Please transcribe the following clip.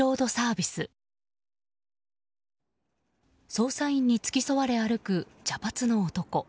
捜査員に付き添われ歩く茶髪の男。